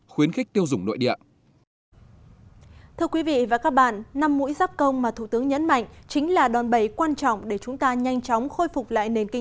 năm khuyến khích tiêu dùng nội địa